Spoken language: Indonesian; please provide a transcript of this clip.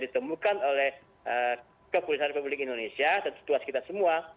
ditemukan oleh kepulisan republik indonesia setuas kita semua